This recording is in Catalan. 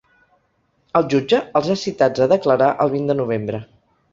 El jutge els ha citats a declarar el vint de novembre.